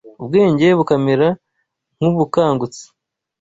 ubwenge bukamera nk’ubukangutse